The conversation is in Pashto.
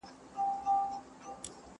زه مخکي سبزیجات وچولي وو؟